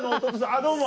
あっどうも。